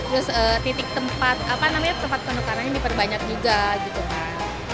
terus titik tempat apa namanya tempat penekanannya diperbanyak juga gitu kan